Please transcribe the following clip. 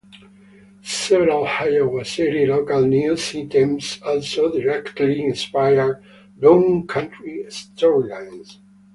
Several Iowa City local news items also directly inspired "Bloom County" storylines.